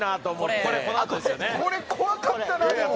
これ怖かったなでも。